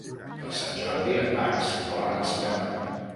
Per Sant Jordi en Max vol anar al cinema.